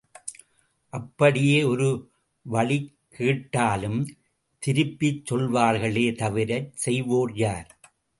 அப்படியே ஒரே வழிக் கேட்டாலும் திருப்பிச் சொல்வார்களே தவிரச் செய்வோர் யார்?